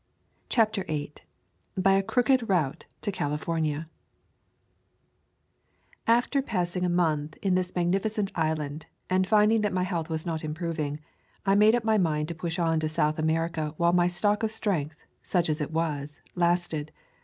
CHAPTER VIII BY A CROOKED ROUTE TO CALIFORNIA FTER passing a month in this mag nificent island, and finding that my health was not improving, I made up my mind to push on to South America while my stock of strength, such as it was, lasted.